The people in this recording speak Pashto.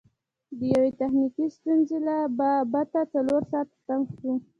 د یوې تخنیکي ستونزې له با بته څلور ساعته تم سو.